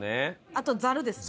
あとざるですね。